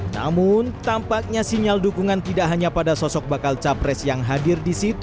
namun tampaknya sinyal dukungan tidak hanya pada sosok bakal capres yang hadir di situ